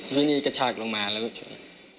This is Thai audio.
ทีนี้กระชากลงมาแล้วก็ช่วย